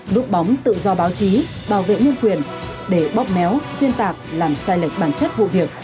núp bóng tự do báo chí bảo vệ nhân quyền để bóp méo xuyên tạc làm sai lệch bản chất vụ việc